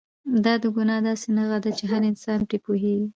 دا د ګناه داسې نښه ده چې هر انسان پرې پوهېږي.